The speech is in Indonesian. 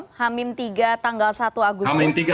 hamin tiga tanggal satu agustus